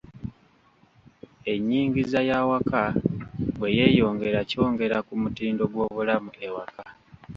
Enyingiza y'awaka bwe yeyongera ky'ongera ku mutindo gw'obulamu ewaka.